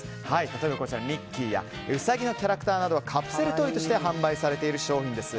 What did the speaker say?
例えばこちら、ミッキーやウサギのキャラクターなどカプセルトイとして販売されている商品です。